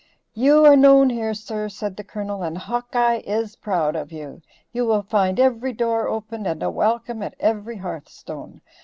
"You are known here, sir," said the Colonel, "and Hawkeye is proud of you. You will find every door open, and a welcome at every hearthstone.